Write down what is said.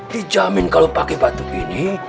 dijamin kalau pakai batuk ini